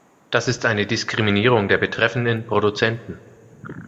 Das ist eine Diskriminierung der betreffenden Produzenten.